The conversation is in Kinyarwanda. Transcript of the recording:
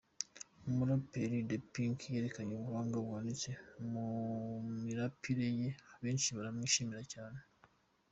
Umuraperikazi The Pink yerekanye ubuhanga buhanitse mu mirapire ye benshi baramwishimira cyane.